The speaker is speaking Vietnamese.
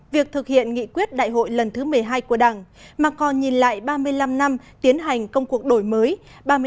việc thực hiện nghị quyết đại hội lần thứ một mươi hai của đảng mà còn nhìn lại ba mươi năm năm tiến hành công cuộc đổi mới